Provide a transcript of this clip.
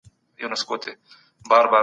روښانه فکر ډار نه راوړي.